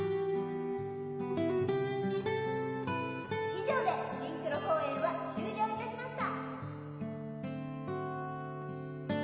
以上でシンクロ公演は終了いたしました